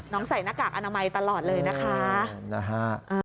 น้องใส่หน้ากากอนามัยตลอดเลยนะคะ